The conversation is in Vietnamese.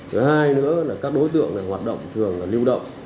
thứ hai nữa là các đối tượng hoạt động thường lưu động